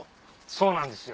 そうなんですよ。